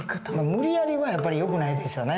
無理やりはやっぱりよくないですよね。